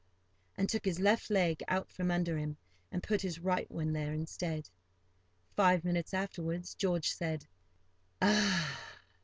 and took his left leg out from under him and put his right one there instead. Five minutes afterwards, George said, "Ah!"